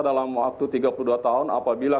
dalam waktu tiga puluh dua tahun apabila